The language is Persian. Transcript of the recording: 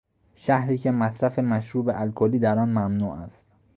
شهری که مصرف مشروب الکلی در آن ممنوع است.